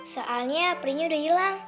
soalnya perihnya udah hilang